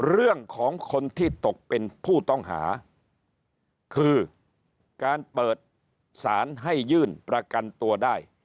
เรื่องของคนที่ตกเป็นผู้ต้องหาคือการเปิดสารให้ยื่นประกันตัวได้